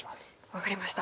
分かりました。